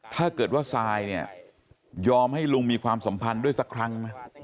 ถ้าเกิดว่าซายเนี่ยยอมให้ลุงมีความสัมพันธ์ด้วยสักครั้งนะ